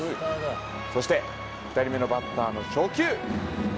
そして２人目のバッターの初球。